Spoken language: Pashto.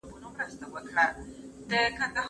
آیا تاسو د ټولنیز بدلون پلویان یاست؟